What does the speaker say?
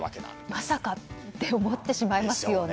まさかって思ってしまいますよね。